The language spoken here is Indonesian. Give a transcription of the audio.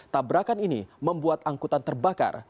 tabrakan ini membuat angkutan terbakar